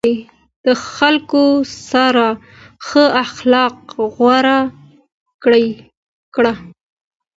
د خلکو سره ښه اخلاق غوره کړه.